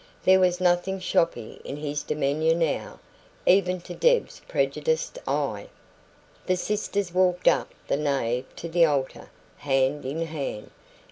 There was nothing shoppy in his demeanour now, even to Deb's prejudiced eye. The sisters walked up the nave to the altar, hand in hand.